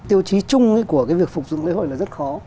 tiêu chí chung của cái việc phục dựng lễ hội là rất khó